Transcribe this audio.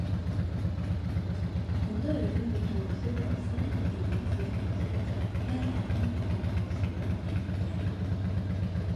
Onda, ölüm gutulgysyz bolsa, diýmek dirilikde ädilen her ädim bizi gutulgysyza eltýär